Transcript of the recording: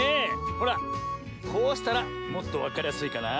ほらこうしたらもっとわかりやすいかなあ。